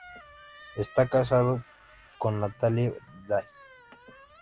Está casado con Natalie Dive.